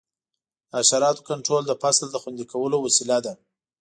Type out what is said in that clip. د حشراتو کنټرول د فصل د خوندي کولو وسیله ده.